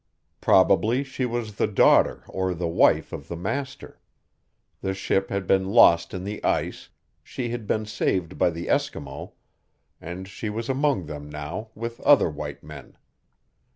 Probably she was the daughter or the wife of the master. The ship had been lost in the ice she had been saved by the Eskimo and she was among them now, with other white men.